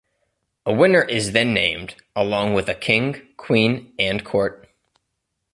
A winner is then named, along with a king, queen, and court.